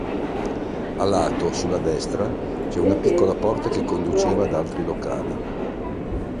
A lato, sulla destra, c'è una piccola porta che conduceva ad altri locali.